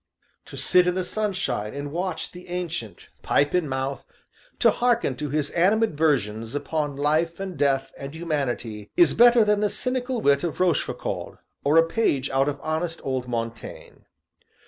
To sit in the sunshine and watch the Ancient, pipe in mouth, to hearken to his animadversions upon Life, and Death, and Humanity, is better than the cynical wit of Rochefoucauld, or a page out of honest old Montaigne.